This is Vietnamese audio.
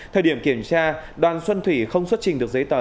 thời điểm kiểm tra đoàn xuân thủy không xuất trình được giấy tờ